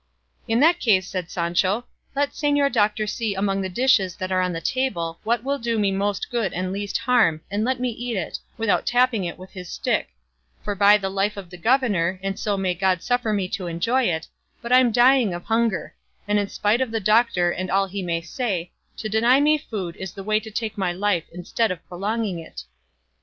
"In that case," said Sancho, "let señor doctor see among the dishes that are on the table what will do me most good and least harm, and let me eat it, without tapping it with his stick; for by the life of the governor, and so may God suffer me to enjoy it, but I'm dying of hunger; and in spite of the doctor and all he may say, to deny me food is the way to take my life instead of prolonging it."